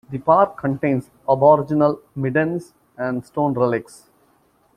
The park contains aboriginal middens and stone relics.